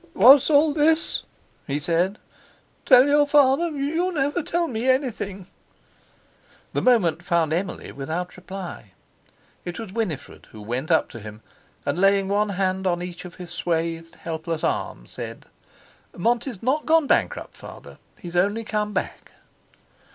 "What's all this?" he said. "Tell your father? You never tell me anything." The moment found Emily without reply. It was Winifred who went up to him, and, laying one hand on each of his swathed, helpless arms, said: "Monty's not gone bankrupt, Father. He's only come back."